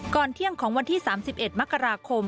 เที่ยงของวันที่๓๑มกราคม